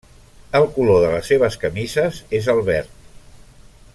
El color de les seves camises és el verd.